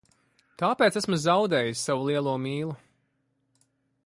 Tāpēc esmu zaudējis savu lielo mīlu.